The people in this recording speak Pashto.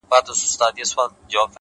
مخ ځيني اړومه،